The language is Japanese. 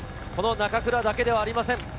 中倉だけではありません。